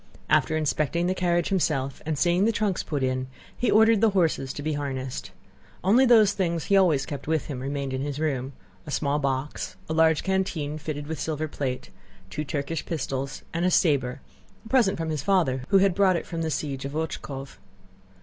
After inspecting the carriage himself and seeing the trunks put in, he ordered the horses to be harnessed. Only those things he always kept with him remained in his room; a small box, a large canteen fitted with silver plate, two Turkish pistols and a saber—a present from his father who had brought it from the siege of Ochákov.